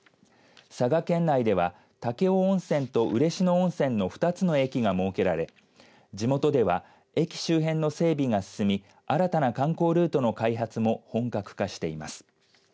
佐賀県内では、武雄温泉と嬉野温泉の２つの駅が設けられ地元では駅周辺の整備が進み新たな観光ルートの開発も本格化しています。